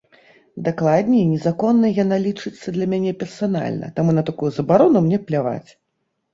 Дакладней, незаконнай яна лічыцца для мяне персанальна, таму на такую забарону мне пляваць.